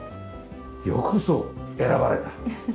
よくぞ選ばれた。